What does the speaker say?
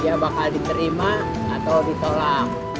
ya bakal diterima atau ditolak